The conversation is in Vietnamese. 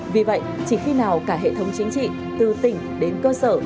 vì vậy chỉ khi nào cả hệ thống chính trị từ tỉnh đến cơ sở